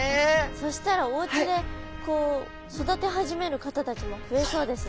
そしたらおうちでこう育て始める方たちも増えそうですね。